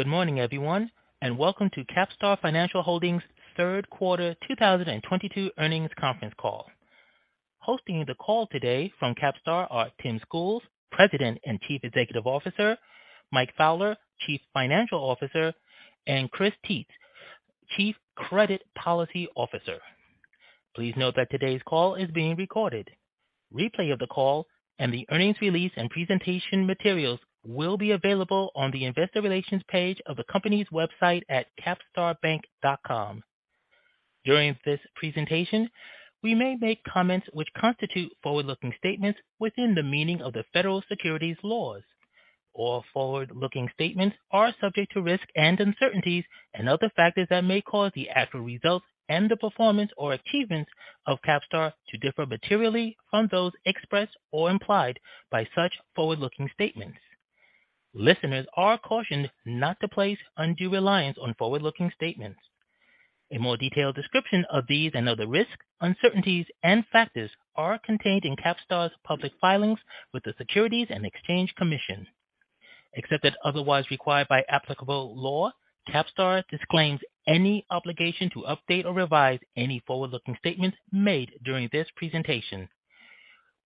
Good morning, everyone, and welcome to CapStar Financial Holdings third quarter 2022 earnings conference call. Hosting the call today from CapStar are Tim Schools, President and Chief Executive Officer, Mike Fowler, Chief Financial Officer, and Chris Tietz, Chief Credit Policy Officer. Please note that today's call is being recorded. Replay of the call and the earnings release and presentation materials will be available on the investor relations page of the company's website at capstarbank.com. During this presentation, we may make comments which constitute forward-looking statements within the meaning of the federal securities laws. All forward-looking statements are subject to risks and uncertainties and other factors that may cause the actual results and the performance or achievements of CapStar to differ materially from those expressed or implied by such forward-looking statements. Listeners are cautioned not to place undue reliance on forward-looking statements. A more detailed description of these and other risks, uncertainties, and factors are contained in CapStar's public filings with the Securities and Exchange Commission. Except as otherwise required by applicable law, CapStar disclaims any obligation to update or revise any forward-looking statements made during this presentation.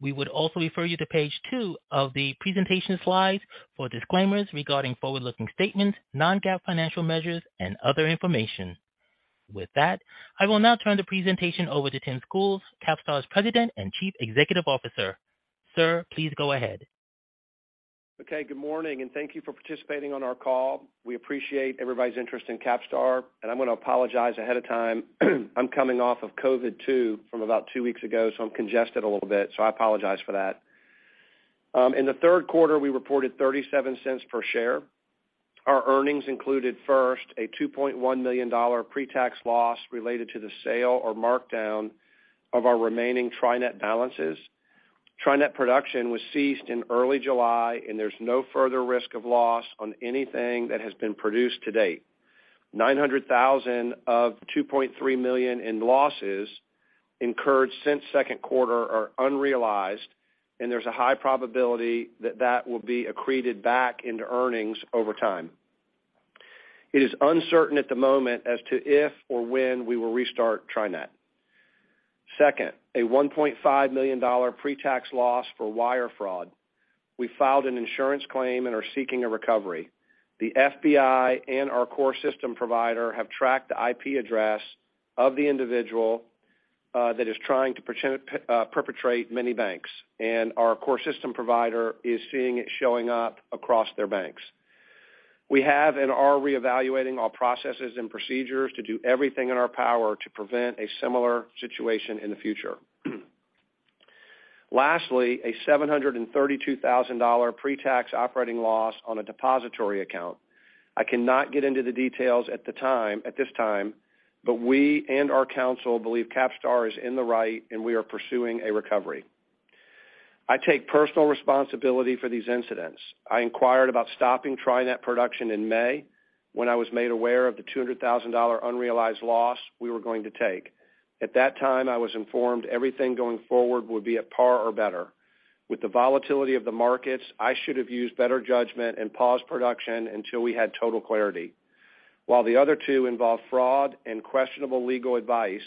We would also refer you to page two of the presentation slides for disclaimers regarding forward-looking statements, non-GAAP financial measures, and other information. With that, I will now turn the presentation over to Tim Schools, CapStar's President and Chief Executive Officer. Sir, please go ahead. Okay, good morning, and thank you for participating on our call. We appreciate everybody's interest in CapStar, and I'm going to apologize ahead of time. I'm coming off of COVID too from about two weeks ago, so I'm congested a little bit, so I apologize for that. In the third quarter, we reported $0.37 per share. Our earnings included, first, a $2.1 million pre-tax loss related to the sale or markdown of our remaining Tri-Net balances. Tri-Net production was ceased in early July, and there's no further risk of loss on anything that has been produced to date. $900,000 of $2.3 million in losses incurred since second quarter are unrealized, and there's a high probability that that will be accreted back into earnings over time. It is uncertain at the moment as to if or when we will restart Tri-Net. Second, a $1.5 million pre-tax loss for wire fraud. We filed an insurance claim and are seeking a recovery. The FBI and our core system provider have tracked the IP address of the individual that is trying to perpetrate many banks, and our core system provider is seeing it showing up across their banks. We have and are reevaluating all processes and procedures to do everything in our power to prevent a similar situation in the future. Lastly, a $732,000 pre-tax operating loss on a depository account. I cannot get into the details at this time, but we and our counsel believe CapStar is in the right, and we are pursuing a recovery. I take personal responsibility for these incidents. I inquired about stopping TriNet production in May when I was made aware of the $200,000 unrealized loss we were going to take. At that time, I was informed everything going forward would be at par or better. With the volatility of the markets, I should have used better judgment and paused production until we had total clarity. While the other two involve fraud and questionable legal advice,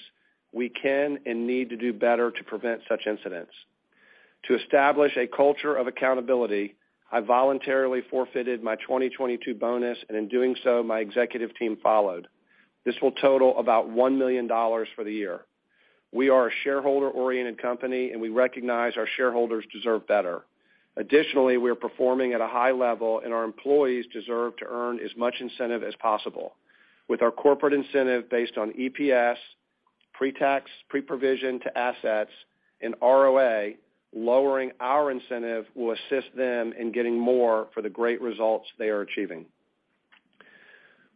we can and need to do better to prevent such incidents. To establish a culture of accountability, I voluntarily forfeited my 2022 bonus, and in doing so, my executive team followed. This will total about $1 million for the year. We are a shareholder-oriented company, and we recognize our shareholders deserve better. Additionally, we are performing at a high level, and our employees deserve to earn as much incentive as possible. With our corporate incentive based on EPS, pre-tax, pre-provision to assets and ROA, lowering our incentive will assist them in getting more for the great results they are achieving.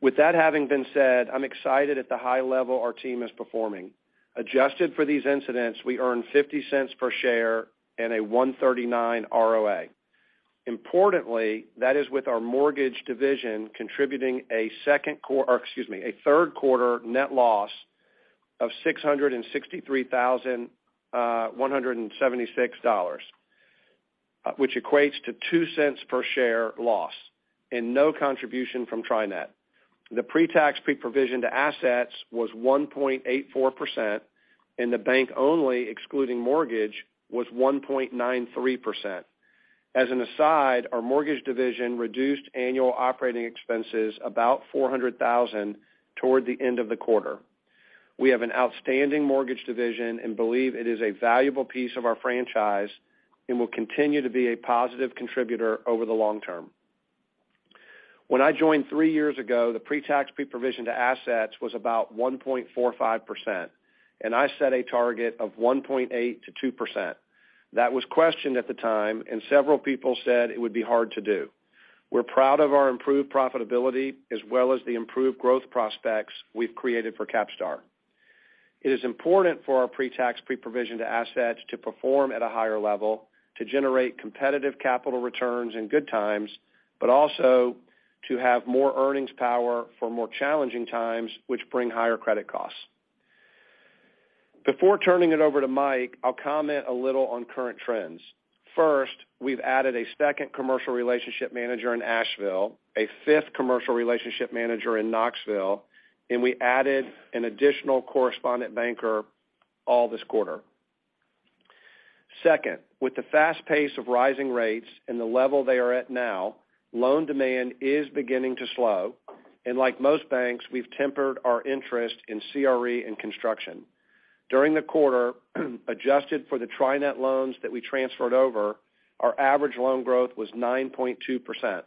With that having been said, I'm excited at the high level our team is performing. Adjusted for these incidents, we earned $0.50 per share and a 1.39 ROA. Importantly, that is with our mortgage division contributing a third quarter net loss of $663,176, which equates to $0.02 per share loss and no contribution from TriNet. The pre-tax, pre-provision to assets was 1.84%, and the bank-only, excluding mortgage, was 1.93%. As an aside, our mortgage division reduced annual operating expenses about $400,000 toward the end of the quarter. We have an outstanding mortgage division and believe it is a valuable piece of our franchise and will continue to be a positive contributor over the long term. When I joined three years ago, the pre-tax, pre-provision to assets was about 1.45%, and I set a target of 1.8%-2%. That was questioned at the time, and several people said it would be hard to do. We're proud of our improved profitability as well as the improved growth prospects we've created for CapStar. It is important for our pre-tax, pre-provision to assets to perform at a higher level to generate competitive capital returns in good times, but also to have more earnings power for more challenging times which bring higher credit costs. Before turning it over to Mike, I'll comment a little on current trends. First, we've added a second commercial relationship manager in Asheville, a fifth commercial relationship manager in Knoxville, and we added an additional correspondent banker all this quarter. Second, with the fast pace of rising rates and the level they are at now, loan demand is beginning to slow. Like most banks, we've tempered our interest in CRE and construction. During the quarter, adjusted for the Tri-Net loans that we transferred over, our average loan growth was 9.2%.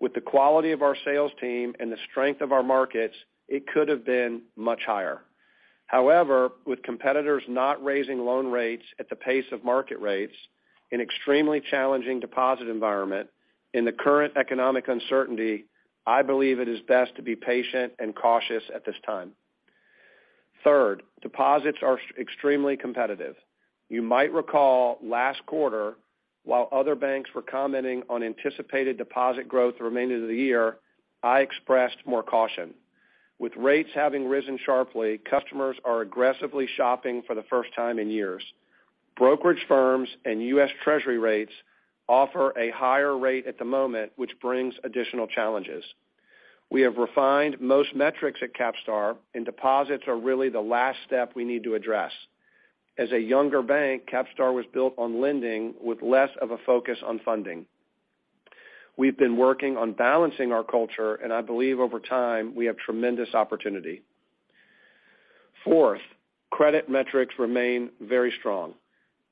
With the quality of our sales team and the strength of our markets, it could have been much higher. However, with competitors not raising loan rates at the pace of market rates, an extremely challenging deposit environment in the current economic uncertainty, I believe it is best to be patient and cautious at this time. Third, deposits are extremely competitive. You might recall last quarter, while other banks were commenting on anticipated deposit growth the remainder of the year, I expressed more caution. With rates having risen sharply, customers are aggressively shopping for the first time in years. Brokerage firms and U.S. Treasury rates offer a higher rate at the moment, which brings additional challenges. We have refined most metrics at CapStar, and deposits are really the last step we need to address. As a younger bank, CapStar was built on lending with less of a focus on funding. We've been working on balancing our culture, and I believe over time, we have tremendous opportunity. Fourth, credit metrics remain very strong.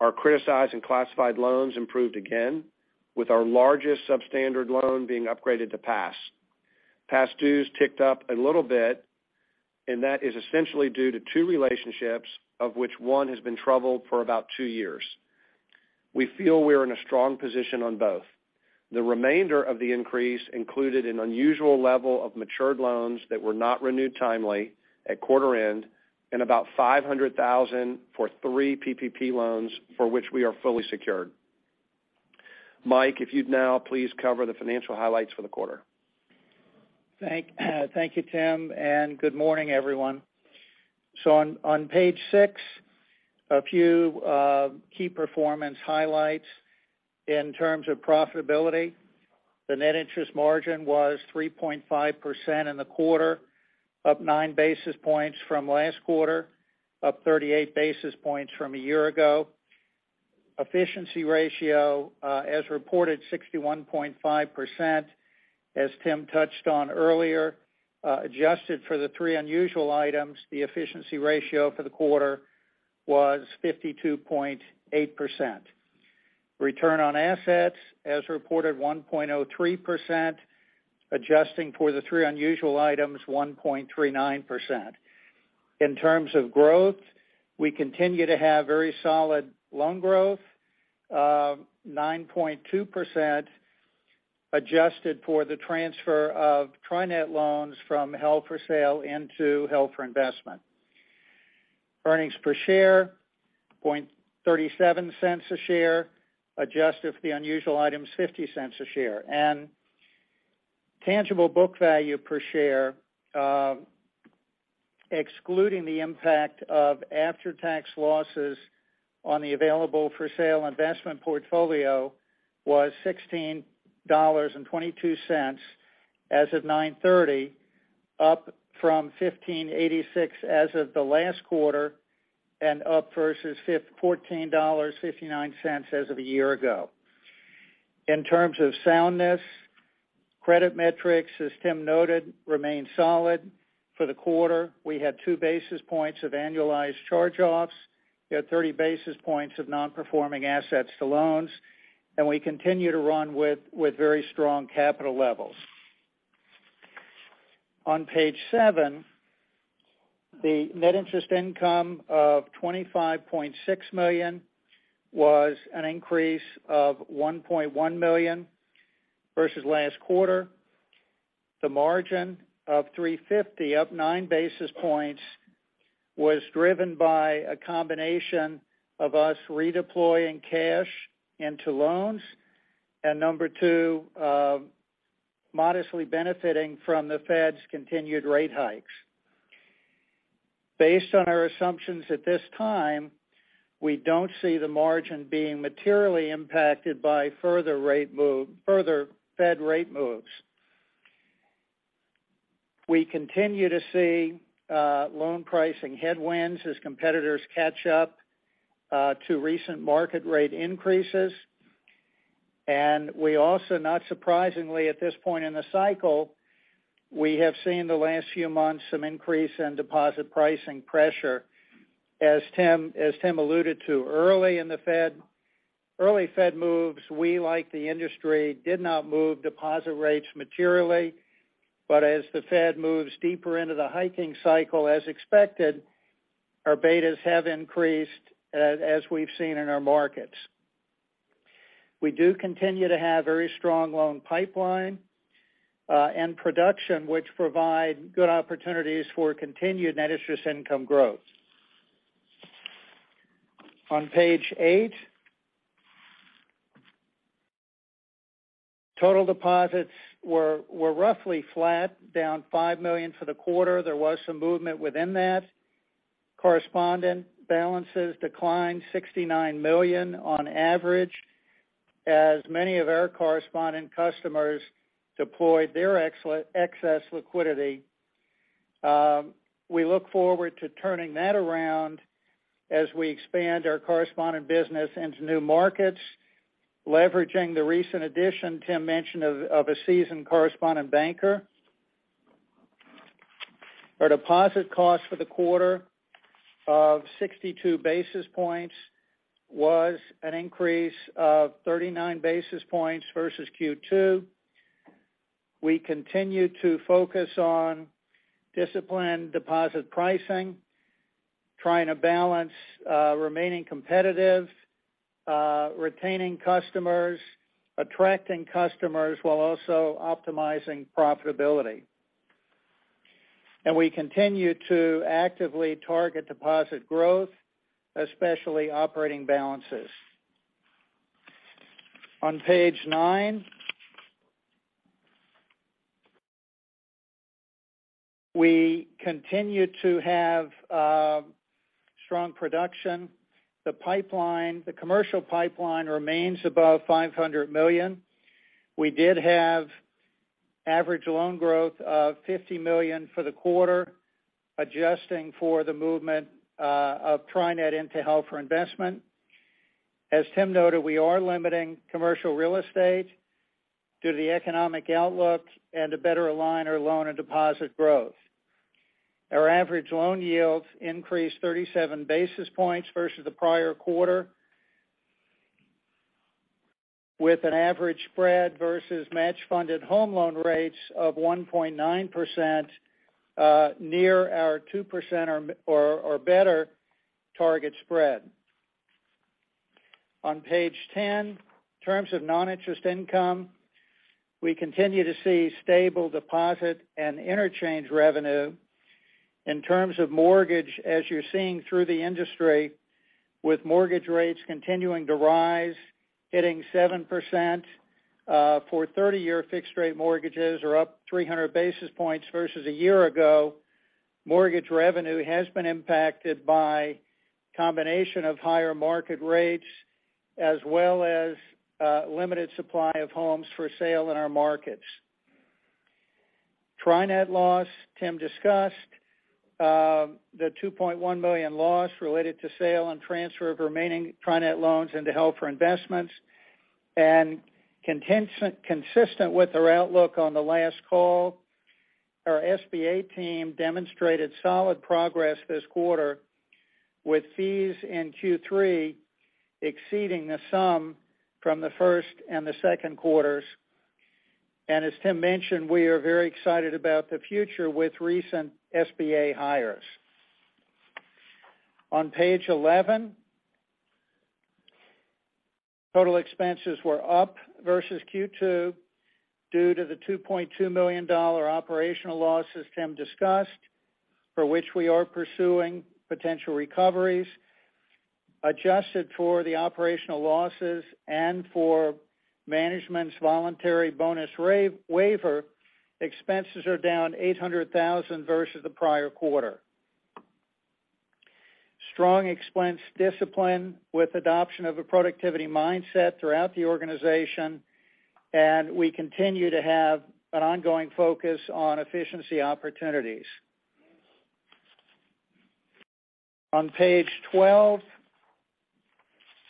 Our criticized and classified loans improved again, with our largest substandard loan being upgraded to pass. Past dues ticked up a little bit, and that is essentially due to two relationships, of which one has been troubled for about two years. We feel we are in a strong position on both. The remainder of the increase included an unusual level of matured loans that were not renewed timely at quarter end and about $500,000 for three PPP loans for which we are fully secured. Mike, if you'd now please cover the financial highlights for the quarter. Thank you, Tim, and good morning, everyone. On page six, a few key performance highlights. In terms of profitability, the net interest margin was 3.5% in the quarter, up 9 basis points from last quarter, up 38 basis points from a year ago. Efficiency ratio, as reported, 61.5%. As Tim touched on earlier, adjusted for the three unusual items, the efficiency ratio for the quarter was 52.8%. Return on assets, as reported, 1.03%. Adjusting for the three unusual items, 1.39%. In terms of growth, we continue to have very solid loan growth of 9.2%, adjusted for the transfer of TriNet loans from held for sale into held for investment. Earnings per share, $0.37 a share. Adjusted for the unusual items, $0.50 a share. Tangible book value per share, excluding the impact of after-tax losses on the available for sale investment portfolio, was $16.22 as of 9/30, up from $15.86 as of the last quarter and up versus $14.59 as of a year ago. In terms of soundness, credit metrics, as Tim noted, remain solid. For the quarter, we had 2 basis points of annualized charge-offs. We had 30 basis points of non-performing assets to loans, and we continue to run with very strong capital levels. On page seven, the net interest income of $25.6 million was an increase of $1.1 million versus last quarter. The margin of 3.50%, up 9 basis points, was driven by a combination of us redeploying cash into loans, and number two, modestly benefiting from the Fed's continued rate hikes. Based on our assumptions at this time, we don't see the margin being materially impacted by further Fed rate moves. We continue to see loan pricing headwinds as competitors catch up to recent market rate increases. We also, not surprisingly, at this point in the cycle, have seen the last few months some increase in deposit pricing pressure, as Tim alluded to. Early in early Fed moves, we, like the industry, did not move deposit rates materially. As the Fed moves deeper into the hiking cycle as expected, our betas have increased as we've seen in our markets. We do continue to have very strong loan pipeline and production, which provide good opportunities for continued net interest income growth. On page 8. Total deposits were roughly flat, down $5 million for the quarter. There was some movement within that. Correspondent balances declined $69 million on average, as many of our correspondent customers deployed their excess liquidity. We look forward to turning that around as we expand our correspondent business into new markets, leveraging the recent addition Tim mentioned of a seasoned correspondent banker. Our deposit cost for the quarter of 62 basis points was an increase of 39 basis points versus Q2. We continue to focus on disciplined deposit pricing, trying to balance remaining competitive, retaining customers, attracting customers while also optimizing profitability. We continue to actively target deposit growth, especially operating balances. On page 9. We continue to have strong production. The pipeline, the commercial pipeline remains above $500 million. We did have average loan growth of $50 million for the quarter, adjusting for the movement of TriNet into held for investment. As Tim noted, we are limiting commercial real estate due to the economic outlook and to better align our loan and deposit growth. Our average loan yields increased 37 basis points versus the prior quarter. With an average spread versus match funded home loan rates of 1.9%, near our 2% or better target spread. On page 10, in terms of non-interest income, we continue to see stable deposit and interchange revenue. In terms of mortgage, as you're seeing through the industry, with mortgage rates continuing to rise, hitting 7%, for thirty-year fixed rate mortgages or up 300 basis points versus a year ago, mortgage revenue has been impacted by combination of higher market rates as well as, limited supply of homes for sale in our markets. TriNet loss, Tim discussed, the $2.1 million loss related to sale and transfer of remaining TriNet loans into held for investment. Consistent with our outlook on the last call, our SBA team demonstrated solid progress this quarter with fees in Q3 exceeding the sum from the first and the second quarters. As Tim mentioned, we are very excited about the future with recent SBA hires. On page 11, total expenses were up versus Q2 due to the $2.2 million operational loss, as Tim discussed, for which we are pursuing potential recoveries. Adjusted for the operational losses and for management's voluntary bonus waiver, expenses are down $800,000 versus the prior quarter. Strong expense discipline with adoption of a productivity mindset throughout the organization, and we continue to have an ongoing focus on efficiency opportunities. On page 12.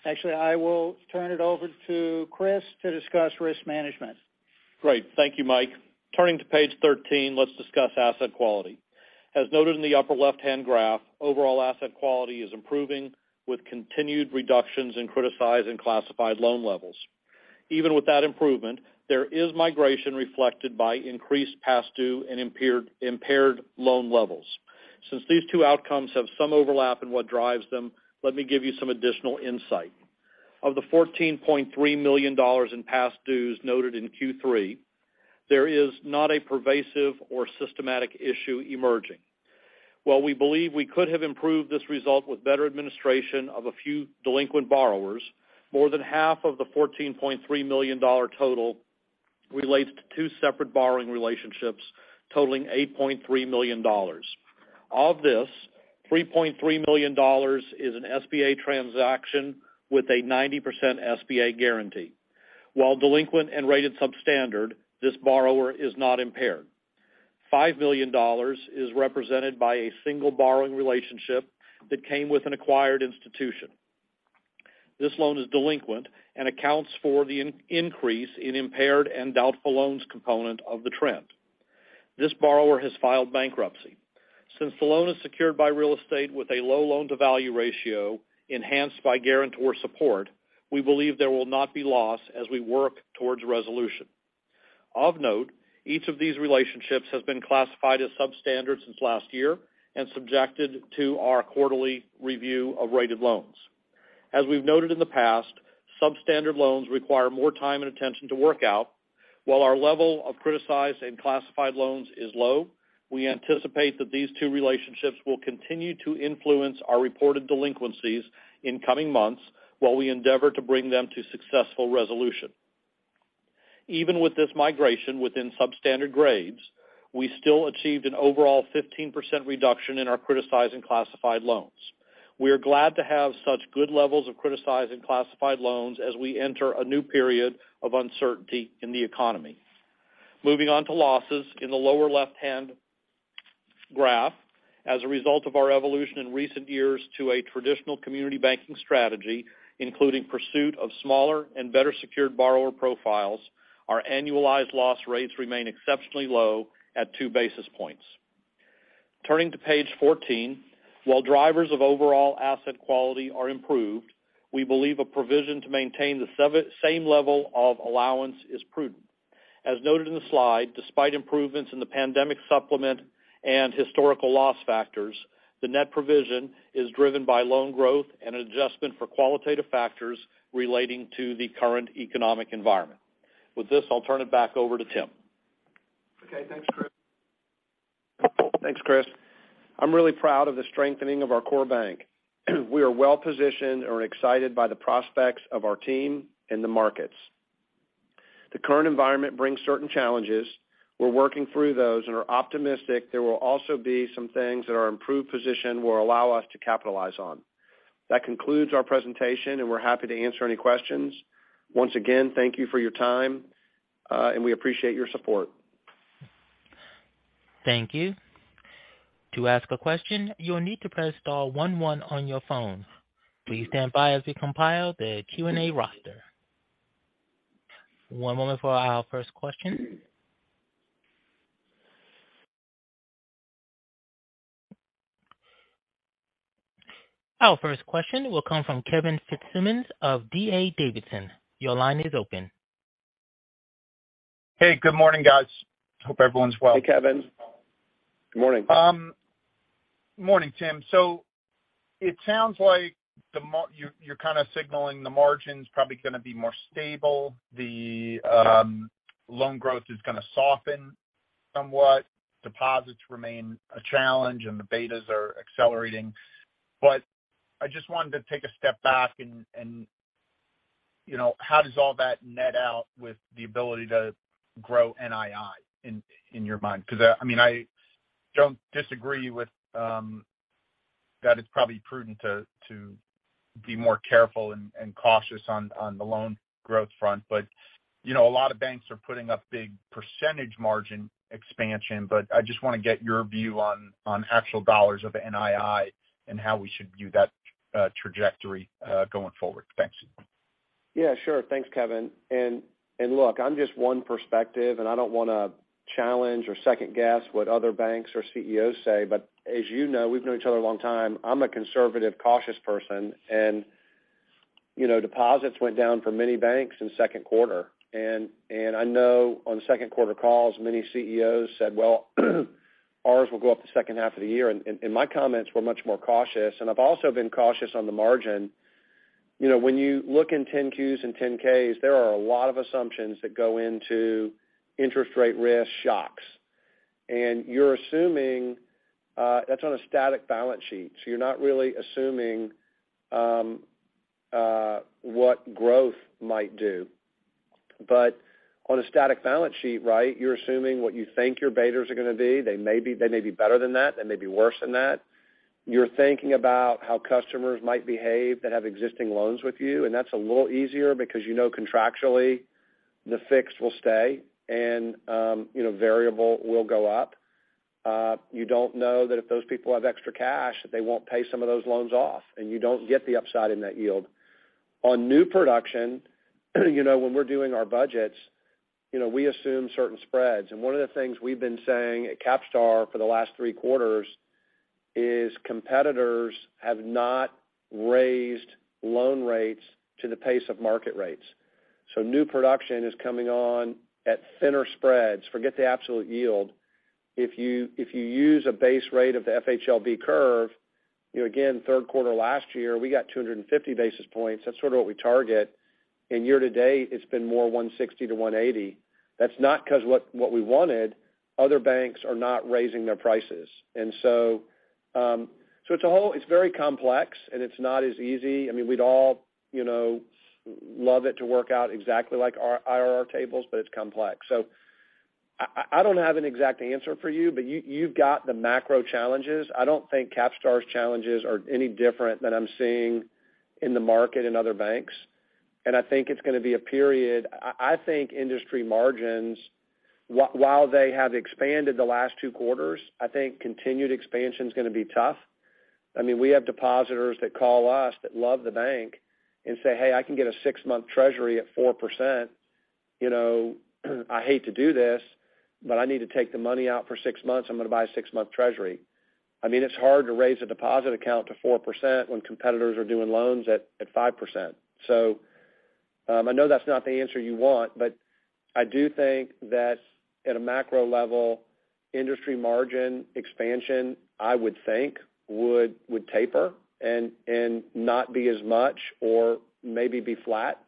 Actually, I will turn it over to Chris to discuss risk management. Great. Thank you, Mike. Turning to page 13, let's discuss asset quality. As noted in the upper left-hand graph, overall asset quality is improving with continued reductions in criticized and classified loan levels. Even with that improvement, there is migration reflected by increased past due and impaired loan levels. Since these two outcomes have some overlap in what drives them, let me give you some additional insight. Of the $14.3 million in past dues noted in Q3, there is not a pervasive or systematic issue emerging. While we believe we could have improved this result with better administration of a few delinquent borrowers, more than half of the $14.3 million total relates to two separate borrowing relationships totaling $8.3 million. Of this, $3.3 million is an SBA transaction with a 90% SBA guarantee. While delinquent and rated substandard, this borrower is not impaired. $5 million is represented by a single borrowing relationship that came with an acquired institution. This loan is delinquent and accounts for the increase in impaired and doubtful loans component of the trend. This borrower has filed bankruptcy. Since the loan is secured by real estate with a low loan-to-value ratio enhanced by guarantor support, we believe there will not be loss as we work towards resolution. Of note, each of these relationships has been classified as substandard since last year and subjected to our quarterly review of rated loans. As we've noted in the past, substandard loans require more time and attention to work out, while our level of criticized and classified loans is low. We anticipate that these two relationships will continue to influence our reported delinquencies in coming months while we endeavor to bring them to successful resolution. Even with this migration within substandard grades, we still achieved an overall 15% reduction in our criticized classified loans. We are glad to have such good levels of criticized classified loans as we enter a new period of uncertainty in the economy. Moving on to losses in the lower left-hand graph. As a result of our evolution in recent years to a traditional community banking strategy, including pursuit of smaller and better secured borrower profiles, our annualized loss rates remain exceptionally low at two basis points. Turning to page 14. While drivers of overall asset quality are improved, we believe a provision to maintain the same level of allowance is prudent. As noted in the slide, despite improvements in the pandemic supplement and historical loss factors, the net provision is driven by loan growth and an adjustment for qualitative factors relating to the current economic environment. With this, I'll turn it back over to Tim. Okay, thanks, Chris. I'm really proud of the strengthening of our core bank. We are well-positioned and are excited by the prospects of our team and the markets. The current environment brings certain challenges. We're working through those and are optimistic there will also be some things that our improved position will allow us to capitalize on. That concludes our presentation, and we're happy to answer any questions. Once again, thank you for your time, and we appreciate your support. Thank you. To ask a question, you will need to press star one on your phone. Please stand by as we compile the Q&A roster. One moment for our first question. Our first question will come from Kevin Fitzsimmons of D.A. Davidson. Your line is open. Hey, good morning, guys. Hope everyone's well. Hey, Kevin. Good morning. Morning, Tim. It sounds like you're kind of signaling the margin's probably gonna be more stable. The loan growth is gonna soften somewhat. Deposits remain a challenge, and the betas are accelerating. I just wanted to take a step back and, you know, how does all that net out with the ability to grow NII in your mind? Because, I mean, I don't disagree with that it's probably prudent to be more careful and cautious on the loan growth front. You know, a lot of banks are putting up big percentage margin expansion, but I just wanna get your view on actual dollars of NII and how we should view that trajectory going forward. Thanks. Yeah, sure. Thanks, Kevin. Look, I'm just one perspective, and I don't wanna challenge or second-guess what other banks or CEOs say. But as you know, we've known each other a long time. I'm a conservative, cautious person. You know, deposits went down for many banks in second quarter. I know on second quarter calls, many CEOs said, "Well, ours will go up the second half of the year." My comments were much more cautious, and I've also been cautious on the margin. You know, when you look in 10-Qs and 10-Ks, there are a lot of assumptions that go into interest rate risk shocks. You're assuming that's on a static balance sheet, so you're not really assuming what growth might do. On a static balance sheet, right, you're assuming what you think your betas are gonna be. They may be, they may be better than that, they may be worse than that. You're thinking about how customers might behave that have existing loans with you, and that's a little easier because you know contractually the fixed will stay and, you know, variable will go up. You don't know that if those people have extra cash, that they won't pay some of those loans off, and you don't get the upside in that yield. On new production, you know, when we're doing our budgets, you know, we assume certain spreads. One of the things we've been saying at CapStar for the last three quarters is competitors have not raised loan rates to the pace of market rates. New production is coming on at thinner spreads. Forget the absolute yield. If you use a base rate of the FHLB curve, you know, again, third quarter last year, we got 250 basis points. That's sort of what we target. In year to date, it's been more 160-180. That's not 'cause what we wanted. Other banks are not raising their prices. It's very complex, and it's not as easy. I mean, we'd all, you know, love it to work out exactly like our IRR tables, but it's complex. I don't have an exact answer for you, but you've got the macro challenges. I don't think CapStar's challenges are any different than I'm seeing in the market in other banks. I think it's gonna be a period. I think industry margins, while they have expanded the last two quarters, I think continued expansion is gonna be tough. I mean, we have depositors that call us that love the bank and say, "Hey, I can get a six-month treasury at 4%. You know, I hate to do this, but I need to take the money out for six months. I'm gonna buy a six-month treasury." I mean, it's hard to raise a deposit account to 4% when competitors are doing loans at five percent. So, I know that's not the answer you want, but I do think that at a macro level, industry margin expansion, I would think, would taper and not be as much or maybe be flat.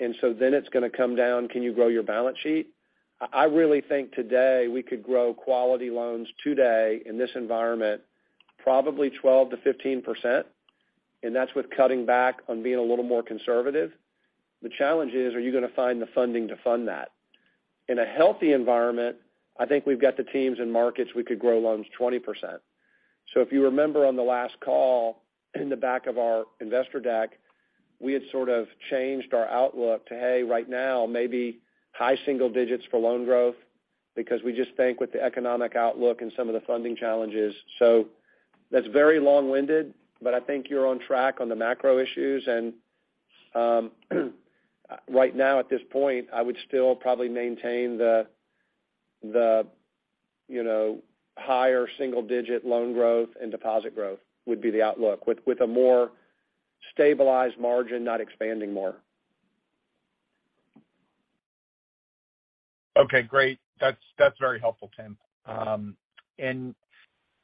It's gonna come down, can you grow your balance sheet? I really think today we could grow quality loans today in this environment, probably 12%-15%, and that's with cutting back on being a little more conservative. The challenge is, are you gonna find the funding to fund that? In a healthy environment, I think we've got the teams and markets, we could grow loans 20%. If you remember on the last call, in the back of our investor deck, we had sort of changed our outlook to, hey, right now, maybe high single digits for loan growth because we just think with the economic outlook and some of the funding challenges. That's very long-winded, but I think you're on track on the macro issues. Right now at this point, I would still probably maintain the, you know, higher single digit loan growth and deposit growth would be the outlook. With a more stabilized margin, not expanding more. Okay, great. That's very helpful, Tim.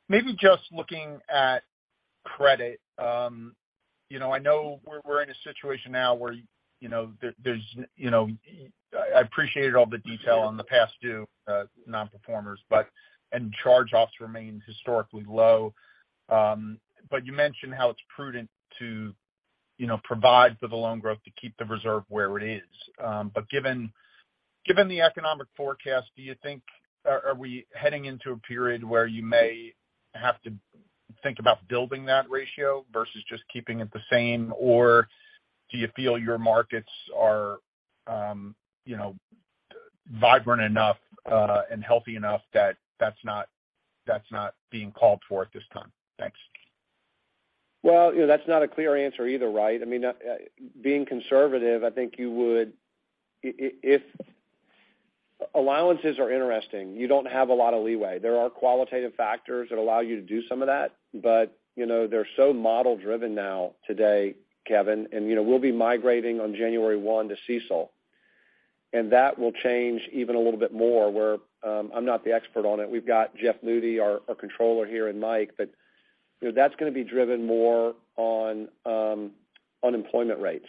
Maybe just looking at credit, you know, I know we're in a situation now. I appreciated all the detail on the past due non-performers, but, and charge-offs remain historically low. You mentioned how it's prudent to, you know, provide for the loan growth to keep the reserve where it is. Given the economic forecast, are we heading into a period where you may have to think about building that ratio versus just keeping it the same? Or do you feel your markets are, you know, vibrant enough and healthy enough that that's not being called for at this time? Thanks. Well, you know, that's not a clear answer either, right? I mean, being conservative, I think you would. Allowances are interesting. You don't have a lot of leeway. There are qualitative factors that allow you to do some of that. You know, they're so model-driven now today, Kevin, and, you know, we'll be migrating on January one to CECL, and that will change even a little bit more where I'm not the expert on it. We've got Jeff Mode, our controller here, and Mike. You know, that's gonna be driven more on unemployment rates.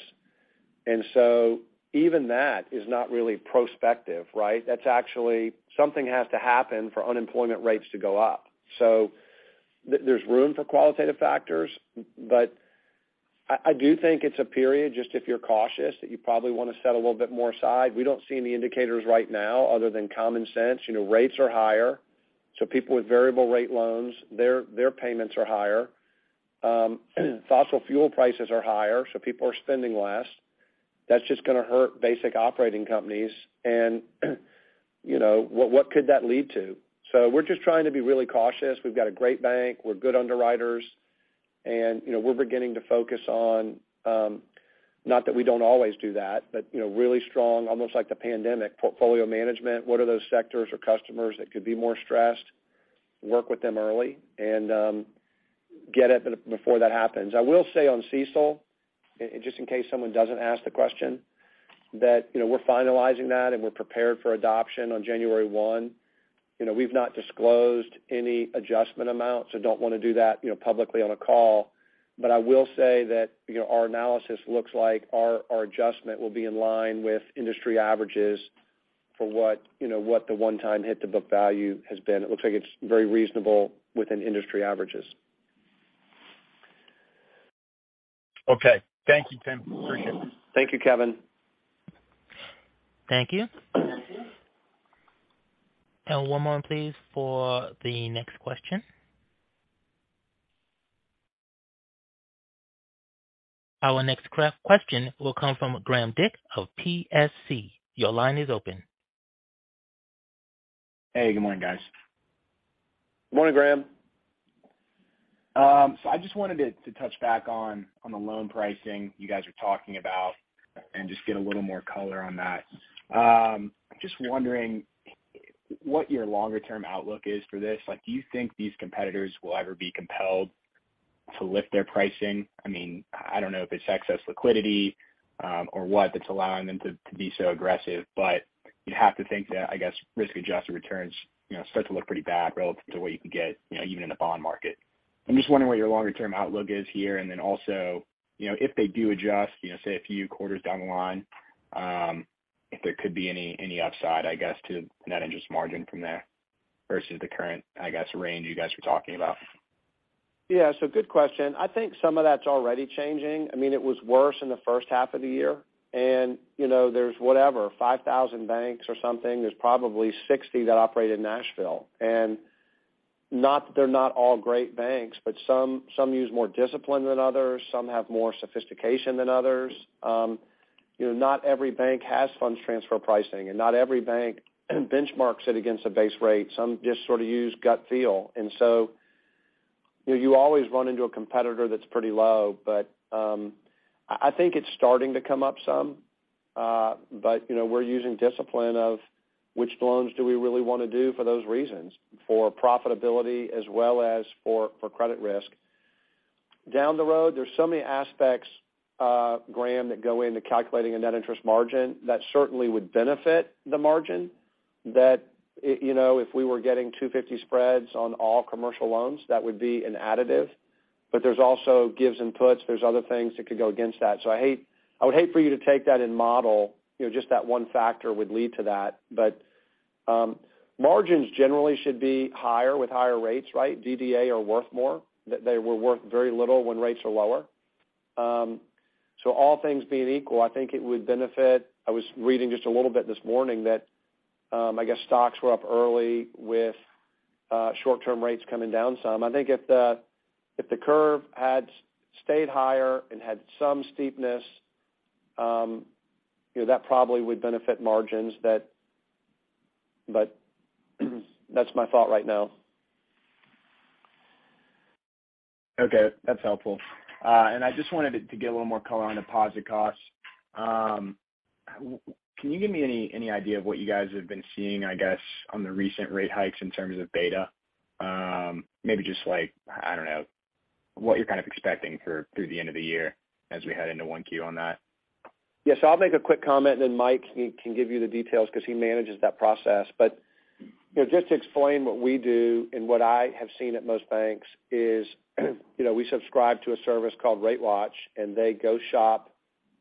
Even that is not really prospective, right? That's actually something has to happen for unemployment rates to go up. There's room for qualitative factors. I do think it's a period, just if you're cautious, that you probably wanna set a little bit more aside. We don't see any indicators right now other than common sense. You know, rates are higher, so people with variable rate loans, their payments are higher. Fossil fuel prices are higher, so people are spending less. That's just gonna hurt basic operating companies. You know, what could that lead to? We're just trying to be really cautious. We've got a great bank, we're good underwriters, and, you know, we're beginning to focus on, not that we don't always do that, but, you know, really strong, almost like the pandemic, portfolio management. What are those sectors or customers that could be more stressed? Work with them early and get at it before that happens. I will say on CECL, and just in case someone doesn't ask the question, that, you know, we're finalizing that and we're prepared for adoption on January one. You know, we've not disclosed any adjustment amounts and don't wanna do that, you know, publicly on a call. I will say that, you know, our analysis looks like our adjustment will be in line with industry averages for what, you know, what the one-time hit to book value has been. It looks like it's very reasonable within industry averages. Okay. Thank you, Tim. Appreciate it. Thank you, Kevin. Thank you. One more please for the next question. Our next question will come from Graham Dick of Piper Sandler. Your line is open. Hey, good morning, guys. Good morning, Graham. I just wanted to touch back on the loan pricing you guys were talking about and just get a little more color on that. Just wondering what your longer term outlook is for this. Like, do you think these competitors will ever be compelled to lift their pricing? I mean, I don't know if it's excess liquidity or what that's allowing them to be so aggressive. You have to think that, I guess, risk-adjusted returns, you know, start to look pretty bad relative to what you can get, you know, even in the bond market. I'm just wondering what your longer term outlook is here. Also, you know, if they do adjust, you know, say, a few quarters down the line, if there could be any upside, I guess, to net interest margin from there versus the current, I guess, range you guys were talking about. Yeah. Good question. I think some of that's already changing. I mean, it was worse in the first half of the year. You know, there's whatever, 5,000 banks or something. There's probably 60 that operate in Nashville. Not that they're not all great banks, but some use more discipline than others, some have more sophistication than others. You know, not every bank has Funds Transfer Pricing, and not every bank benchmarks it against a base rate. Some just sort of use gut feel. You know, you always run into a competitor that's pretty low. I think it's starting to come up some. You know, we're using discipline of which loans do we really wanna do for those reasons, for profitability as well as for credit risk. Down the road, there's so many aspects, Graham, that go into calculating a net interest margin that certainly would benefit the margin. That, you know, if we were getting 250 spreads on all commercial loans, that would be an additive. But there's also gives and puts. There's other things that could go against that. I would hate for you to take that and model, you know, just that one factor would lead to that. But, margins generally should be higher with higher rates, right? DDA are worth more. They were worth very little when rates are lower. All things being equal, I think it would benefit. I was reading just a little bit this morning that, I guess stocks were up early with short-term rates coming down some. I think if the curve had stayed higher and had some steepness, you know, that probably would benefit margins. That's my thought right now. Okay, that's helpful. I just wanted to get a little more color on deposit costs. Can you give me any idea of what you guys have been seeing, I guess, on the recent rate hikes in terms of beta? Maybe just like, I don't know, what you're kind of expecting for through the end of the year as we head into 1Q on that. Yes, I'll make a quick comment, and then Mike can give you the details because he manages that process. You know, just to explain what we do and what I have seen at most banks is, you know, we subscribe to a service called RateWatch, and they go shop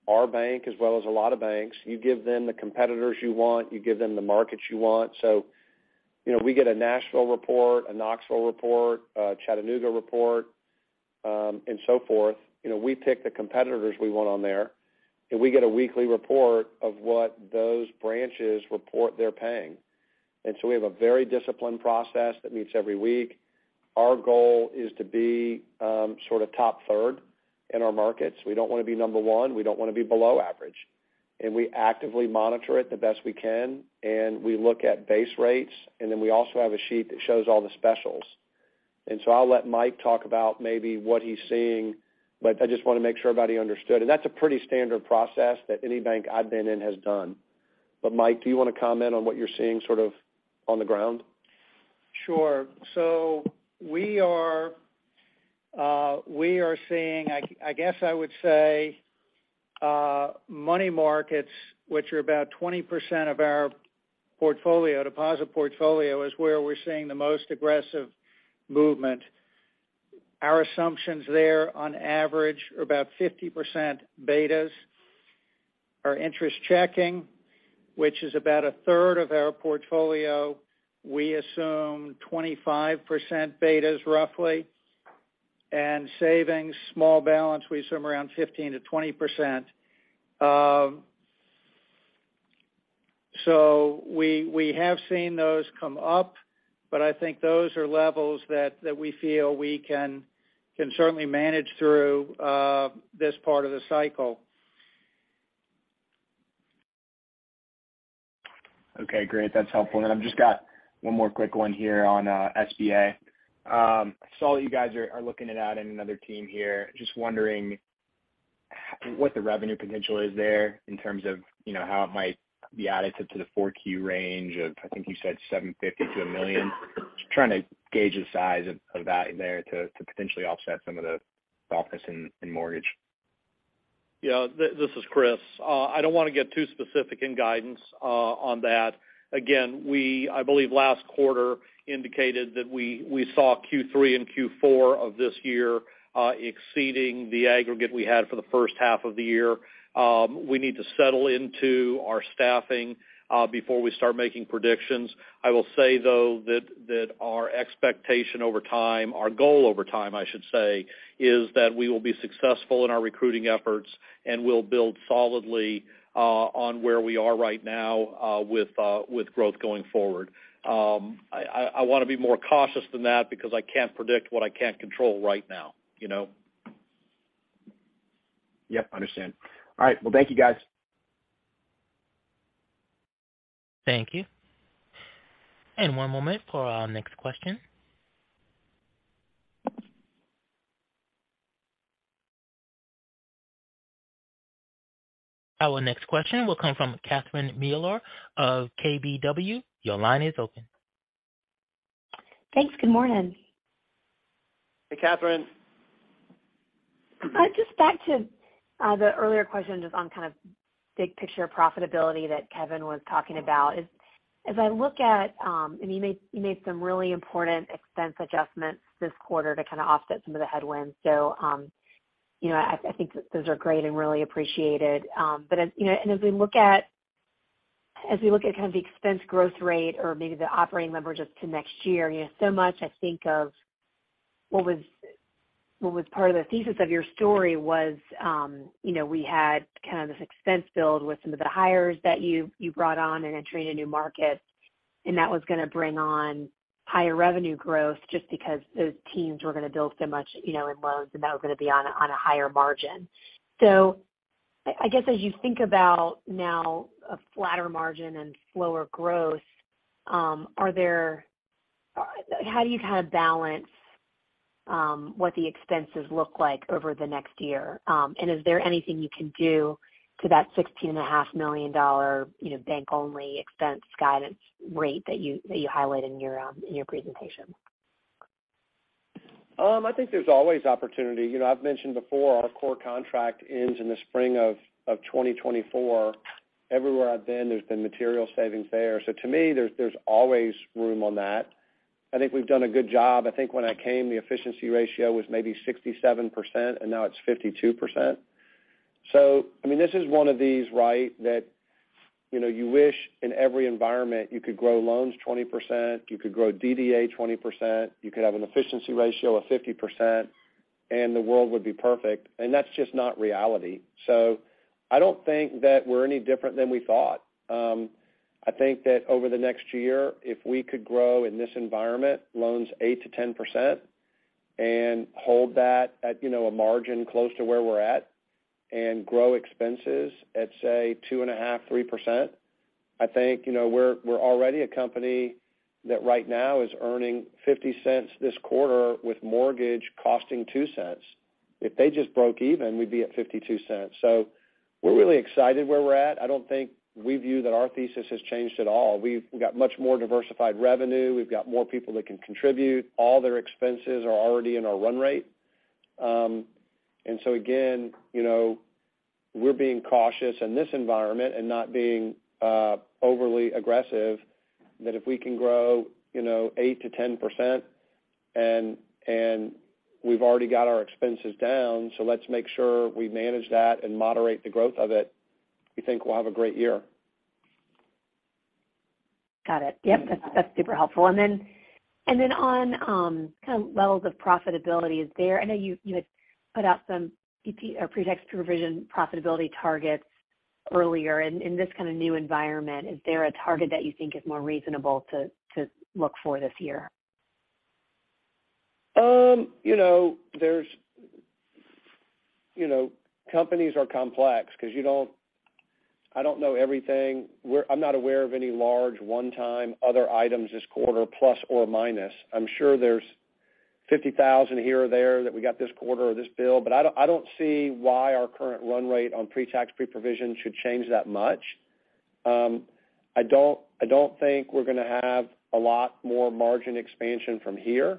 our bank as well as a lot of banks. You give them the competitors you want, you give them the markets you want. You know, we get a Nashville report, a Knoxville report, a Chattanooga report, and so forth. You know, we pick the competitors we want on there, and we get a weekly report of what those branches report they're paying. We have a very disciplined process that meets every week. Our goal is to be sort of top third in our markets. We don't wanna be number one, we don't wanna be below average. We actively monitor it the best we can, and we look at base rates, and then we also have a sheet that shows all the specials. I'll let Mike talk about maybe what he's seeing, but I just wanna make sure everybody understood. That's a pretty standard process that any bank I've been in has done. Mike, do you wanna comment on what you're seeing sort of on the ground? Sure. We are seeing, I guess I would say, money markets, which are about 20% of our portfolio, deposit portfolio, is where we're seeing the most aggressive movement. Our assumptions there on average are about 50% betas. Our interest checking, which is about a third of our portfolio, we assume 25% betas roughly. Savings, small balance, we assume around 15%-20%. We have seen those come up, but I think those are levels that we feel we can certainly manage through this part of the cycle. Okay, great. That's helpful. I've just got one more quick one here on SBA. I saw that you guys are looking at adding another team here. Just wondering what the revenue potential is there in terms of, you know, how it might be added to the 4Q range of, I think you said $750,000-$1 million. Just trying to gauge the size of that in there to potentially offset some of the softness in mortgage. Yeah, this is Chris. I don't wanna get too specific in guidance on that. Again, I believe last quarter indicated that we saw Q3 and Q4 of this year exceeding the aggregate we had for the first half of the year. We need to settle into our staffing before we start making predictions. I will say, though, that our expectation over time, our goal over time, I should say, is that we will be successful in our recruiting efforts and we'll build solidly on where we are right now with growth going forward. I wanna be more cautious than that because I can't predict what I can't control right now, you know? Yep, understand. All right. Well, thank you guys. Thank you. One moment for our next question. Our next question will come from Catherine Mealor of KBW. Your line is open. Thanks. Good morning. Hey, Catherine. Just back to the earlier question just on kind of big picture profitability that Kevin was talking about. As I look at and you made some really important expense adjustments this quarter to kind of offset some of the headwinds. You know, I think those are great and really appreciated. As you know, as we look at kind of the expense growth rate or maybe the operating leverage up to next year, you know, so much I think of what was part of the thesis of your story was, you know, we had kind of this expense build with some of the hires that you brought on and entering a new market, and that was gonna bring on higher revenue growth just because those teams were gonna build so much, you know, in loans, and that was gonna be on a higher margin. I guess as you think about now a flatter margin and slower growth, how do you kind of balance what the expenses look like over the next year? Is there anything you can do to that $16.5 million, you know, bank only expense guidance rate that you highlighted in your presentation? I think there's always opportunity. You know, I've mentioned before our core contract ends in the spring of 2024. Everywhere I've been, there's been material savings there. To me, there's always room on that. I think we've done a good job. I think when I came, the efficiency ratio was maybe 67%, and now it's 52%. I mean, this is one of these, right, that, you know, you wish in every environment you could grow loans 20%, you could grow DDA 20%, you could have an efficiency ratio of 50%, and the world would be perfect. That's just not reality. I don't think that we're any different than we thought. I think that over the next year, if we could grow in this environment, loans 8%-10% and hold that at, you know, a margin close to where we're at, and grow expenses at, say, 2.5%-3%. I think, you know, we're already a company that right now is earning $0.50 this quarter with mortgage costing $0.02. If they just broke even, we'd be at $0.52. We're really excited where we're at. I don't think we view that our thesis has changed at all. We've got much more diversified revenue. We've got more people that can contribute. All their expenses are already in our run rate. Again, you know, we're being cautious in this environment and not being overly aggressive, that if we can grow, you know, 8%-10% and we've already got our expenses down, so let's make sure we manage that and moderate the growth of it. We think we'll have a great year. Got it. Yep, that's super helpful. On kind of levels of profitability there, I know you had put out some pre-tax, pre-provision profitability targets earlier. In this kind of new environment, is there a target that you think is more reasonable to look for this year? You know, companies are complex because you don't know everything. I'm not aware of any large one-time other items this quarter, plus or minus. I'm sure there's $50,000 here or there that we got this quarter or this bill, but I don't see why our current run rate on pre-tax, pre-provision should change that much. I don't think we're gonna have a lot more margin expansion from here.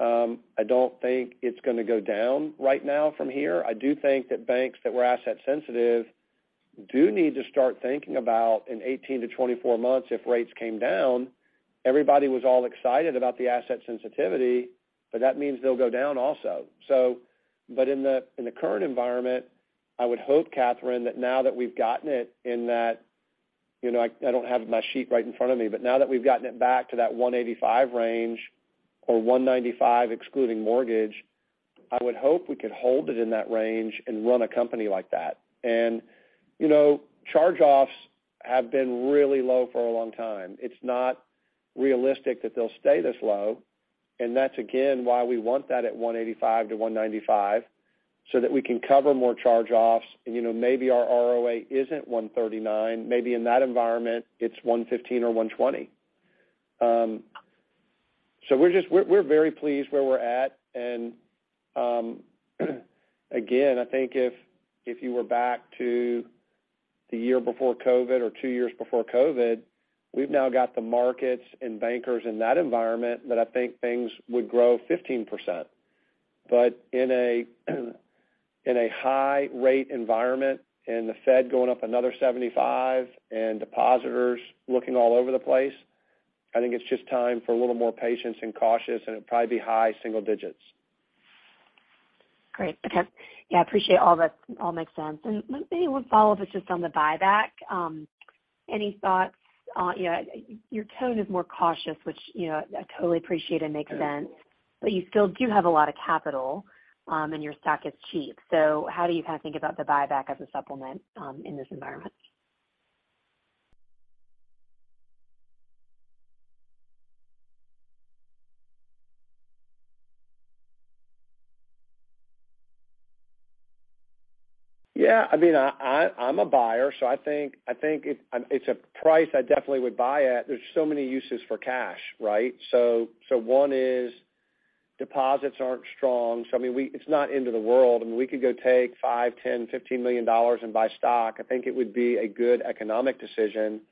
I don't think it's gonna go down right now from here. I do think that banks that were asset sensitive do need to start thinking about in 18-24 months if rates came down. Everybody was all excited about the asset sensitivity, but that means they'll go down also. In the current environment, I would hope, Catherine, that now that we've gotten it back to that 1.85% range or 1.95% excluding mortgage, I would hope we could hold it in that range and run a company like that. Charge-offs have been really low for a long time. It's not realistic that they'll stay this low. That's again why we want that at 1.85%-1.95%, so that we can cover more charge-offs. Maybe our ROA isn't 1.39%. Maybe in that environment, it's 1.15% or 1.20%. We're very pleased where we're at. Again, I think if you were back to the year before COVID or two years before COVID, we've now got the markets and bankers in that environment that I think things would grow 15%. In a high-rate environment and the Fed going up another 75 and depositors looking all over the place, I think it's just time for a little more patience and cautious, and it'd probably be high single digits. Great. Okay. Yeah, I appreciate all that. All makes sense. Maybe one follow-up is just on the buyback. Any thoughts on. You know, your tone is more cautious, which, you know, I totally appreciate and makes sense, but you still do have a lot of capital, and your stock is cheap. How do you kind of think about the buyback as a supplement, in this environment? Yeah. I mean, I'm a buyer, so I think it's a price I definitely would buy at. There's so many uses for cash, right? One is deposits aren't strong. I mean, it's not end of the world. I mean, we could go take $5 million, $10 million, $15 million and buy stock. I think it would be a good economic decision.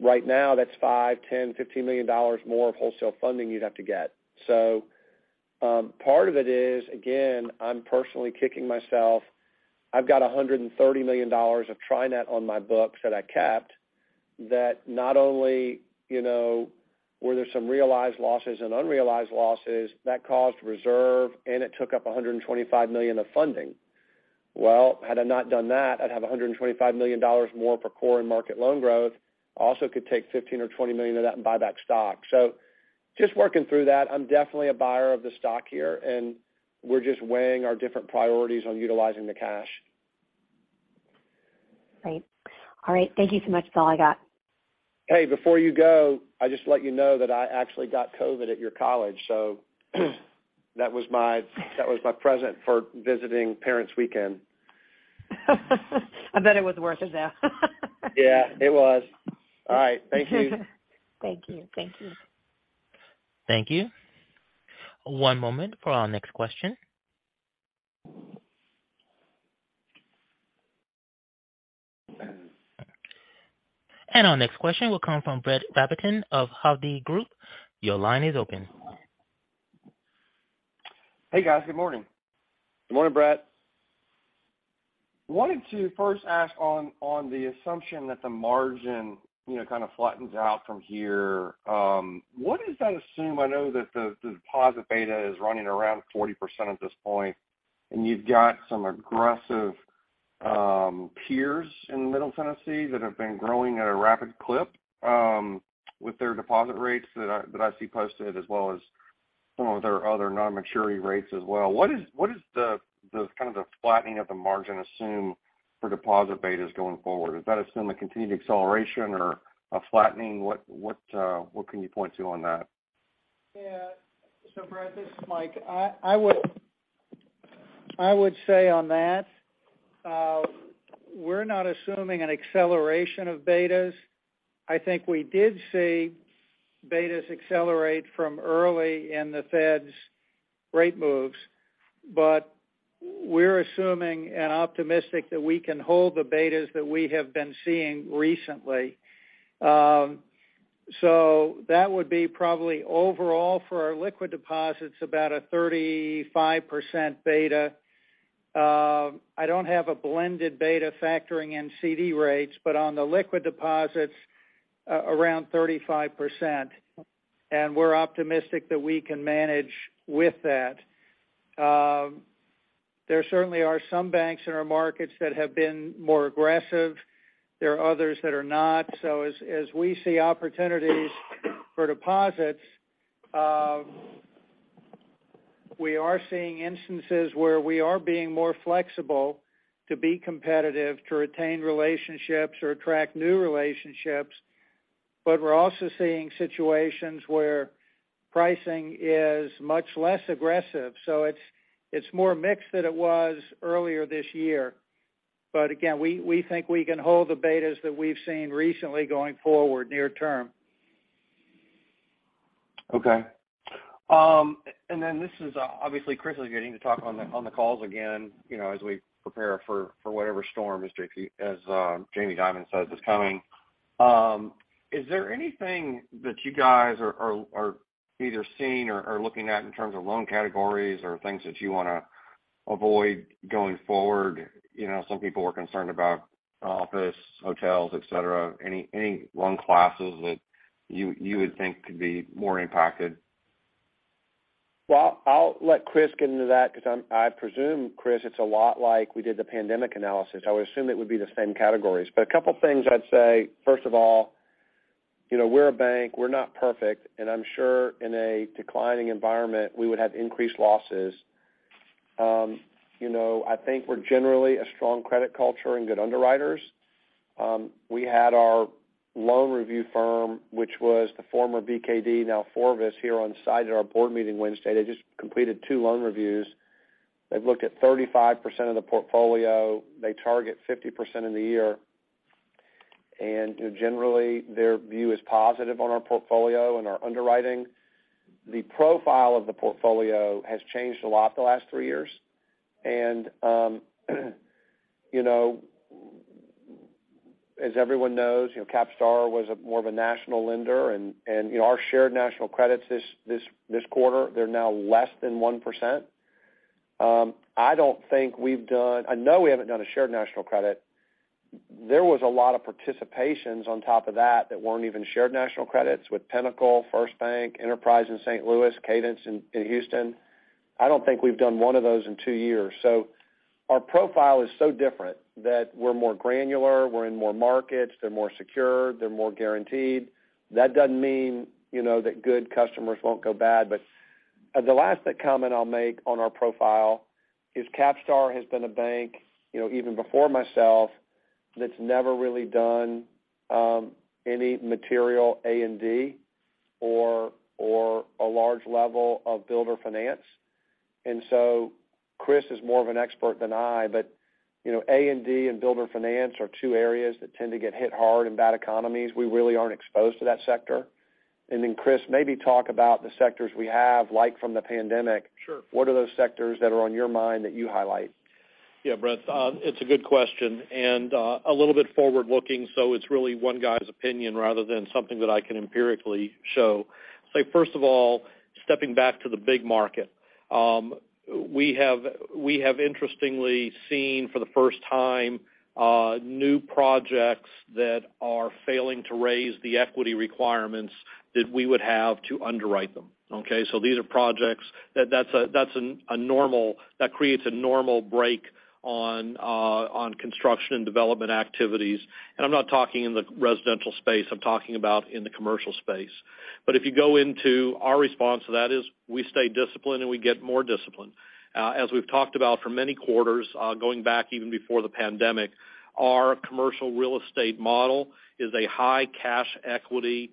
Right now that's $5 million, $10 million, $15 million more of wholesale funding you'd have to get. Part of it is, again, I'm personally kicking myself. I've got $130 million of TriNet on my books that I kept that not only, you know, were there some realized losses and unrealized losses that caused reserve, and it took up $125 million of funding. Well, had I not done that, I'd have $125 million more for core and market loan growth. Also could take $15 million or $20 million of that and buy back stock. Just working through that. I'm definitely a buyer of the stock here, and we're just weighing our different priorities on utilizing the cash. Great. All right. Thank you so much. That's all I got. Hey, before you go, I just let you know that I actually got COVID at your college, so that was my present for visiting parents weekend. I bet it was worth it, though. Yeah, it was. All right. Thank you. Thank you. Thank you. Thank you. One moment for our next question. Our next question will come from Brett Rabatin of Hovde Group. Your line is open. Hey guys, good morning. Good morning, Brett Rabatin. Wanted to first ask on the assumption that the margin, you know, kind of flattens out from here, what does that assume? I know that the deposit beta is running around 40% at this point, and you've got some aggressive peers in Middle Tennessee that have been growing at a rapid clip with their deposit rates that I see posted, as well as some of their other non-maturity rates as well. What is the kind of the flattening of the margin assume for deposit betas going forward? Does that assume a continued acceleration or a flattening? What can you point to on that? Yeah. Brett Rabatin, this is Mike Fowler. I would say on that, we're not assuming an acceleration of betas. I think we did see betas accelerate from early in the Fed's rate moves. We're assuming and optimistic that we can hold the betas that we have been seeing recently. That would be probably overall for our liquid deposits about a 35% beta. I don't have a blended beta factoring in CD rates, but on the liquid deposits, around 35%. We're optimistic that we can manage with that. There certainly are some banks in our markets that have been more aggressive. There are others that are not. As we see opportunities for deposits, we are seeing instances where we are being more flexible to be competitive, to retain relationships or attract new relationships. We're also seeing situations where pricing is much less aggressive, so it's more mixed than it was earlier this year. Again, we think we can hold the betas that we've seen recently going forward near term. Okay. This is, obviously, Chris will get into talk on the calls again, you know, as we prepare for whatever storm, as Jamie Dimon says, is coming. Is there anything that you guys are either seeing or looking at in terms of loan categories or things that you wanna avoid going forward? You know, some people were concerned about office, hotels, et cetera. Any loan classes that you would think could be more impacted? Well, I'll let Chris get into that because I presume, Chris, it's a lot like we did the pandemic analysis. I would assume it would be the same categories. But a couple things I'd say, first of all, you know, we're a bank, we're not perfect, and I'm sure in a declining environment, we would have increased losses. You know, I think we're generally a strong credit culture and good underwriters. We had our loan review firm, which was the former BKD, now FORVIS, here on site at our board meeting Wednesday. They just completed two loan reviews. They've looked at 35% of the portfolio. They target 50% in the year. You know, generally, their view is positive on our portfolio and our underwriting. The profile of the portfolio has changed a lot the last three years. You know, as everyone knows, you know, CapStar was more of a national lender and, you know, our Shared National Credits this quarter, they're now less than 1%. I don't think we've done. I know we haven't done a Shared National Credit. There was a lot of participations on top of that weren't even Shared National Credits with Pinnacle, FirstBank, Enterprise in St. Louis, Cadence in Houston. I don't think we've done one of those in two years. Our profile is so different that we're more granular, we're in more markets, they're more secured, they're more guaranteed. That doesn't mean, you know, that good customers won't go bad. The last comment I'll make on our profile is CapStar has been a bank, you know, even before myself, that's never really done any material A&D or a large level of builder finance. Chris is more of an expert than I, but you know, A&D and builder finance are two areas that tend to get hit hard in bad economies. We really aren't exposed to that sector. Chris, maybe talk about the sectors we have, like from the pandemic. Sure. What are those sectors that are on your mind that you highlight? Yeah, Brett, it's a good question and a little bit forward-looking, so it's really one guy's opinion rather than something that I can empirically show. So, first of all, stepping back to the big market, we have interestingly seen for the first time new projects that are failing to raise the equity requirements that we would have to underwrite them, okay? So these are projects that create a normal break on construction and development activities. I'm not talking in the residential space, I'm talking about in the commercial space. Our response to that is we stay disciplined and we get more disciplined. As we've talked about for many quarters, going back even before the pandemic, our commercial real estate model is a high cash equity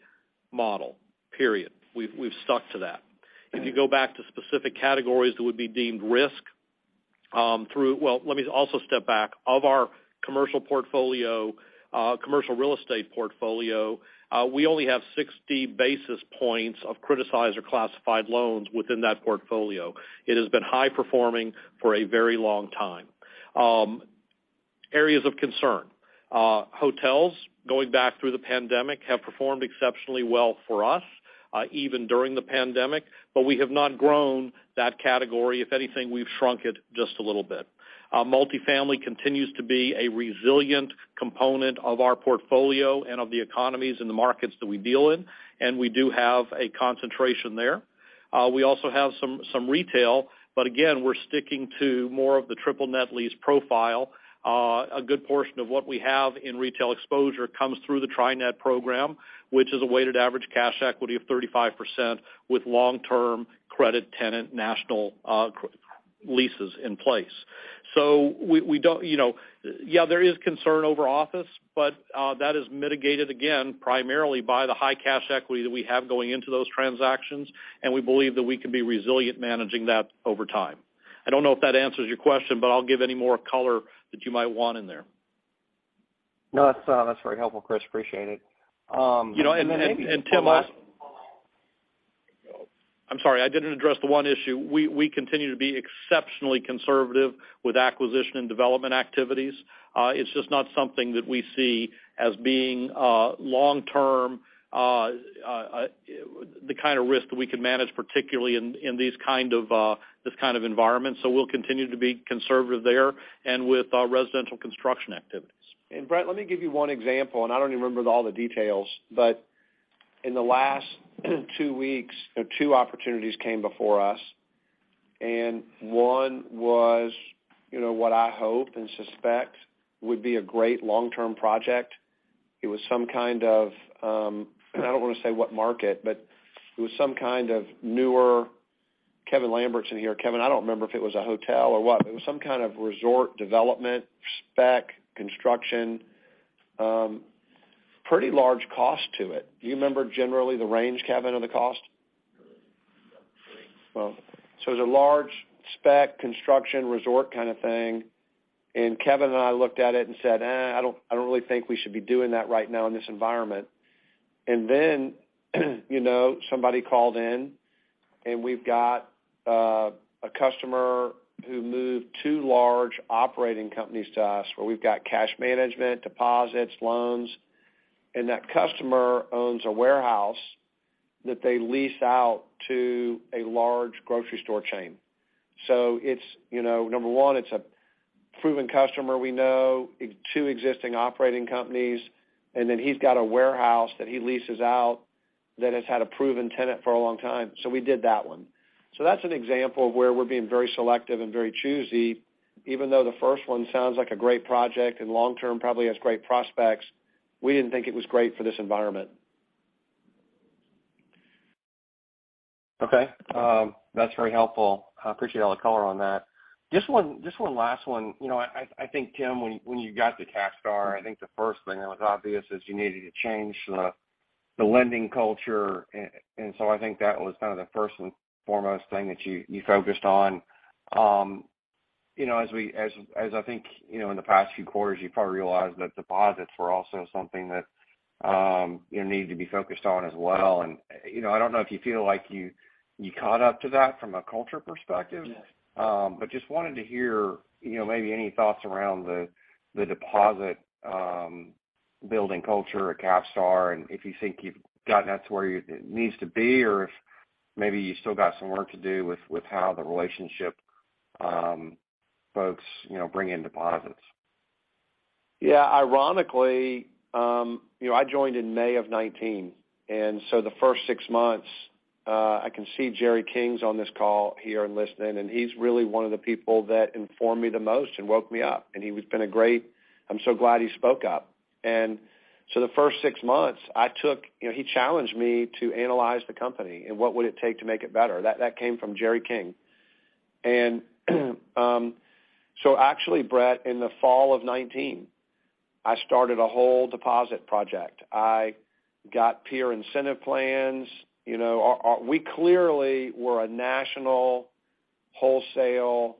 model, period. We've stuck to that. If you go back to specific categories that would be deemed risk. Well, let me also step back. Of our commercial portfolio, commercial real estate portfolio, we only have 60 basis points of criticized or classified loans within that portfolio. It has been high performing for a very long time. Areas of concern. Hotels going back through the pandemic have performed exceptionally well for us, even during the pandemic, but we have not grown that category. If anything, we've shrunk it just a little bit. Multifamily continues to be a resilient component of our portfolio and of the economies in the markets that we deal in, and we do have a concentration there. We also have some retail, but again, we're sticking to more of the triple net lease profile. A good portion of what we have in retail exposure comes through the Tri-Net program, which is a weighted average cash equity of 35% with long-term credit tenant national credit leases in place. So we don't, you know. Yeah, there is concern over office, but that is mitigated again, primarily by the high cash equity that we have going into those transactions, and we believe that we can be resilient managing that over time. I don't know if that answers your question, but I'll give any more color that you might want in there. No, that's very helpful, Chris. Appreciate it. Tim, I'm sorry, I didn't address the one issue. We continue to be exceptionally conservative with acquisition and development activities. It's just not something that we see as being long-term, the kind of risk that we can manage, particularly in this kind of environment. We'll continue to be conservative there and with our residential construction activities. Brett, let me give you one example, and I don't even remember all the details, but in the last two weeks, two opportunities came before us, and one was, you know, what I hope and suspect would be a great long-term project. It was some kind of, I don't want to say what market, but it was some kind of resort development, spec, construction, pretty large cost to it. Kevin Lambert is in here. Kevin, I don't remember if it was a hotel or what. Do you remember generally the range, Kevin, of the cost? Well, so it's a large spec construction resort kind of thing. Kevin and I looked at it and said, "I don't really think we should be doing that right now in this environment." You know, somebody called in, and we've got a customer who moved two large operating companies to us where we've got cash management, deposits, loans, and that customer owns a warehouse that they lease out to a large grocery store chain. It's, you know, number one, it's a proven customer we know, two existing operating companies, and then he's got a warehouse that he leases out that has had a proven tenant for a long time. We did that one. That's an example of where we're being very selective and very choosy, even though the first one sounds like a great project and long term probably has great prospects, we didn't think it was great for this environment. Okay. That's very helpful. I appreciate all the color on that. Just one last one. You know, I think, Tim, when you got to CapStar, I think the first thing that was obvious is you needed to change the lending culture. I think that was kind of the first and foremost thing that you focused on. You know, as I think, you know, in the past few quarters, you've probably realized that deposits were also something that, you know, needed to be focused on as well. You know, I don't know if you feel like you caught up to that from a culture perspective. Yes. Just wanted to hear, you know, maybe any thoughts around the deposit building culture at CapStar, and if you think you've gotten that to where it needs to be or if maybe you still got some work to do with how the relationship folks, you know, bring in deposits. Yeah. Ironically, you know, I joined in May of 2019, and the first six months, I can see Jerry King is on this call here and listening, and he's really one of the people that informed me the most and woke me up. He has been a great. I'm so glad he spoke up. The first six months I took. You know, he challenged me to analyze the company and what would it take to make it better. That came from Jerry King. Actually, Brett, in the fall of 2019, I started a whole deposit project. I got peer incentive plans. You know, our. We clearly were a national wholesale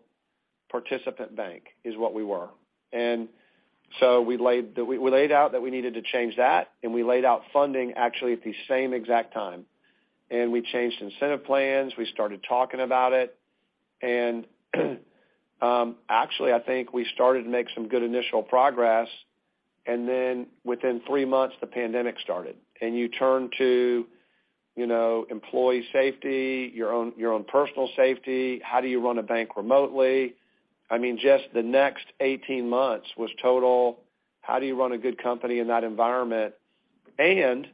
participant bank, is what we were. We laid out that we needed to change that, and we laid out funding actually at the same exact time. We changed incentive plans. We started talking about it. Actually, I think we started to make some good initial progress. Within three months, the pandemic started. You turn to, you know, employee safety, your own personal safety. How do you run a bank remotely? I mean, just the next 19 months was total, how do you run a good company in that environment? $300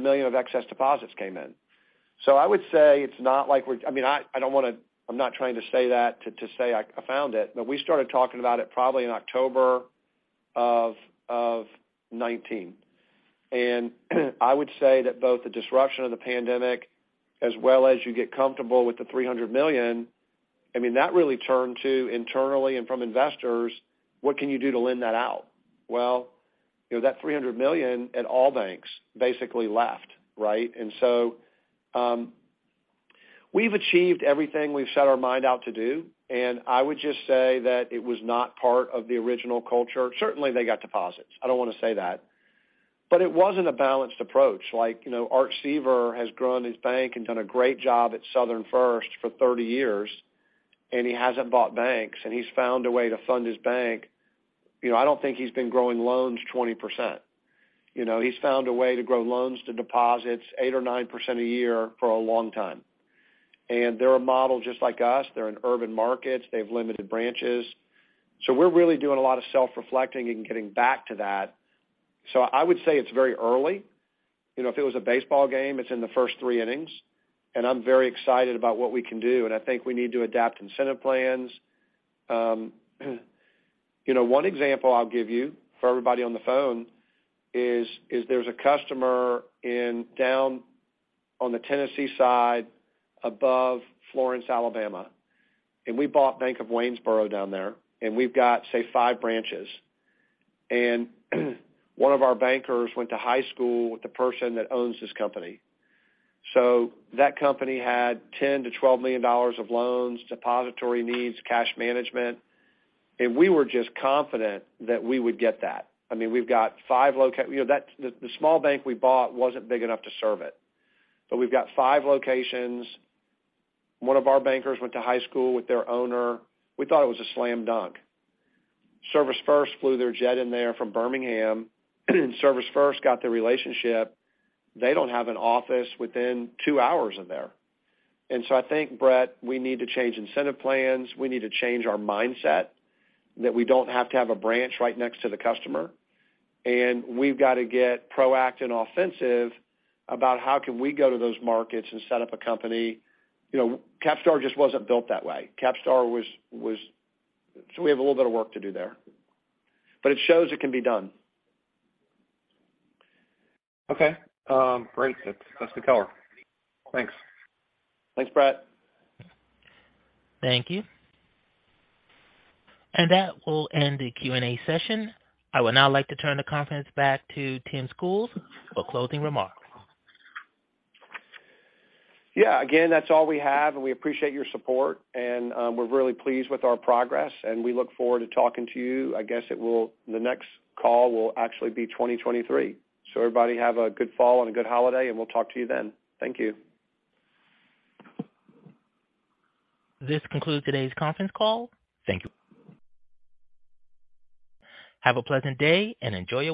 million of excess deposits came in. I would say it's not like we're. I mean, I don't wanna, I'm not trying to say that to say I found it, but we started talking about it probably in October of 2019. I would say that both the disruption of the pandemic as well as you get comfortable with the $300 million, I mean, that really turned to internally and from investors, what can you do to lend that out? Well, you know, that $300 million at all banks basically left, right? We've achieved everything we've set our mind out to do, and I would just say that it was not part of the original culture. Certainly, they got deposits. I don't want to say that. It wasn't a balanced approach. Like, you know, Art Seaver has grown his bank and done a great job at Southern First for 30 years, and he hasn't bought banks, and he's found a way to fund his bank. You know, I don't think he's been growing loans 20%. You know, he's found a way to grow loans to deposits 8% or 9% a year for a long time. They're a model just like us. They're in urban markets, they have limited branches. We're really doing a lot of self-reflecting and getting back to that. I would say it's very early. You know, if it was a baseball game, it's in the first 3 innings, and I'm very excited about what we can do, and I think we need to adapt incentive plans. You know, one example I'll give you for everybody on the phone is there's a customer in down on the Tennessee side, above Florence, Alabama. We bought The Bank of Waynesboro down there, and we've got, say, five branches. One of our bankers went to high school with the person that owns this company. So that company had $10-$12 million of loans, depository needs, cash management. We were just confident that we would get that. I mean, we've got five locations. You know, the small bank we bought wasn't big enough to serve it, but we've got five locations. One of our bankers went to high school with their owner. We thought it was a slam dunk. ServisFirst flew their jet in there from Birmingham. ServisFirst got the relationship. They don't have an office within two hours of there. I think, Brett, we need to change incentive plans. We need to change our mindset that we don't have to have a branch right next to the customer. We've got to get proactive and offensive about how can we go to those markets and set up a company. You know, CapStar just wasn't built that way. CapStar was. We have a little bit of work to do there, but it shows it can be done. Okay. Great. That's the color. Thanks. Thanks, Brett. Thank you. That will end the Q&A session. I would now like to turn the conference back to Tim Schools for closing remarks. Yeah, again, that's all we have, and we appreciate your support, and we're really pleased with our progress, and we look forward to talking to you. The next call will actually be 2023. Everybody have a good fall and a good holiday, and we'll talk to you then. Thank you. This concludes today's conference call. Thank you. Have a pleasant day and enjoy your